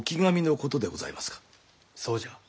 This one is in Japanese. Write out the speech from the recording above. そうじゃ。